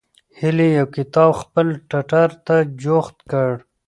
هیلې یو کتاب خپل ټټر ته جوخت کړ.